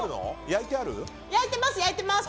焼いてます！